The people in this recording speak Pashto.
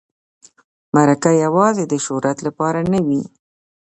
مرکه یوازې د شهرت لپاره نه وي.